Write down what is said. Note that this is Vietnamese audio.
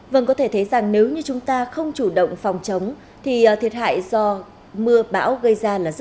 các bạn hãy đăng ký kênh để ủng hộ kênh của chúng mình nhé